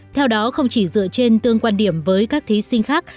theo đó không chỉ dựa trên tương quan điểm với các thí sinh khác